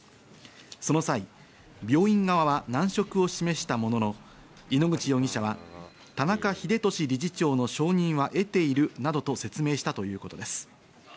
その際、病院側は難色を示したものの、井ノ口容疑者は田中英壽理事長の承認は得ているなどと説明したということです。